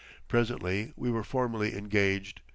Presently we were formally engaged.